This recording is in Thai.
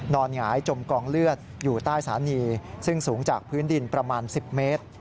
หงายจมกองเลือดอยู่ใต้สถานีซึ่งสูงจากพื้นดินประมาณ๑๐เมตร